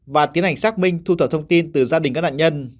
và tiến hành xác minh thu thập thông tin từ gia đình các nạn nhân